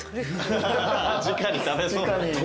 じかに食べそう。